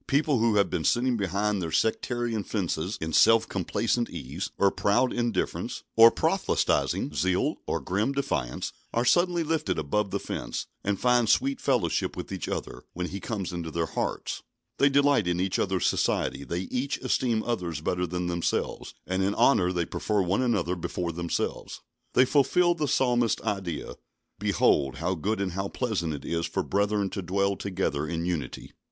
People who have been sitting behind their sectarian fences in self complacent ease, or proud indifference, or proselytising zeal, or grim defiance, are suddenly lifted above the fence, and find sweet fellowship with each other, when He comes into their hearts. They delight in each other's society; they each esteem others better than themselves, and in honour they prefer one another before themselves. They fulfil the Psalmist's ideal: "Behold, how good and how pleasant it is for brethren to dwell together in unity."